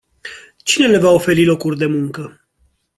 Cine le va oferi locuri de muncă?